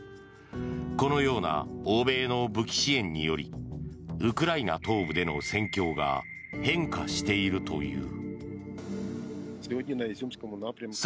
このような欧米の武器支援によりウクライナ東部での戦況が変化しているという。